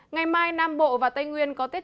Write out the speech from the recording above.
ngày mai nam bộ và tây nguyên có tiết chế